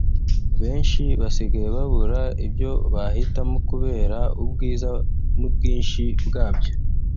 Benshi basigaye babura ibyo bahitamo kubera ubwiza n’ubwinshi bwabyo